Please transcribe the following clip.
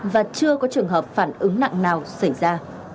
và chưa có trường hợp phản ứng nặng nào xảy ra